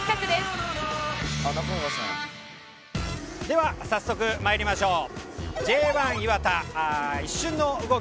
では早速参りましょう。